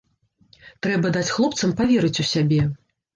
Трэба даць хлопцам паверыць у сябе.